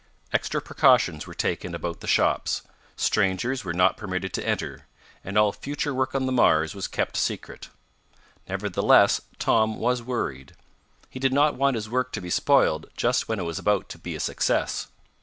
Extra precautions were taken about the shops. Strangers were not permitted to enter, and all future work on the Mars was kept secret. Nevertheless, Tom was worried. He did not want his work to be spoiled just when it was about to be a success.